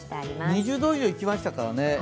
２０度以上いきましたからね